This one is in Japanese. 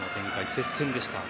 接戦でした。